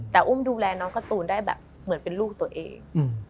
แต่อุ้มดูแลน้องการ์ตูนได้แบบเหมือนเป็นลูกตัวเอง